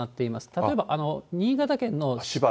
例えば、新潟県の。